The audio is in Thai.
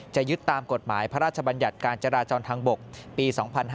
ยึดตามกฎหมายพระราชบัญญัติการจราจรทางบกปี๒๕๕๙